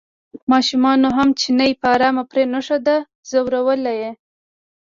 ماشومانو هم چینی په ارام پرېنښوده ځورول یې.